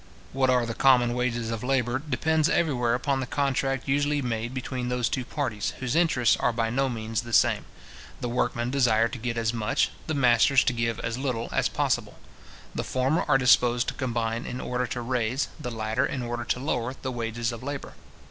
What are the common wages of labour, depends everywhere upon the contract usually made between those two parties, whose interests are by no means the same. The workmen desire to get as much, the masters to give as little, as possible. The former are disposed to combine in order to raise, the latter in order to lower, the wages of labour.